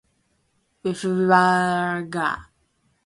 wfwarga